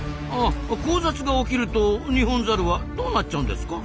交雑が起きるとニホンザルはどうなっちゃうんですか？